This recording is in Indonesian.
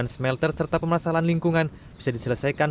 smelter serta pemasalahan lingkungan bisa diselesaikan